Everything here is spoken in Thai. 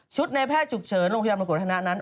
ในแพทย์ฉุกเฉินโรงพยาบาลมงกฎวัฒนะนั้น